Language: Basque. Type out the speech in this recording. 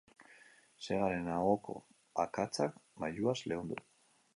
Segaren ahoko akatsak mailuaz leundu.